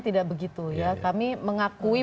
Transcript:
tidak begitu kami mengakui